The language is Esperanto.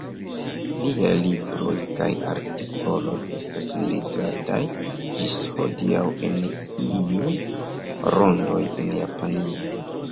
Liaj libroj kaj artikoloj estas legataj ĝis hodiaŭ en iuj rondoj en Japanio.